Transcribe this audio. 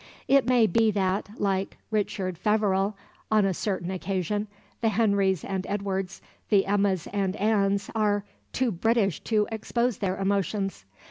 It may be that, like Richard Feverel on a certain occasion, the Henrys and Edwards, the Emmas and Annes are "too British to expose their emotions."